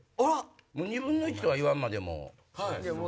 もう２分の１とは言わんまでも。